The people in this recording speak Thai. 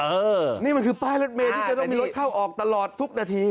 เออนี่มันคือป้ายรถเมย์ที่จะต้องมีรถเข้าออกตลอดทุกนาที